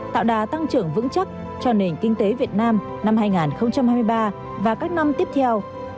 tạo đà tăng trưởng vững chắc cho nền kinh tế việt nam năm hai nghìn hai mươi ba và các năm tiếp theo